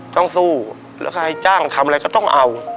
ต้องสู้แล้วใครจ้างทำอะไรก็ต้องเอา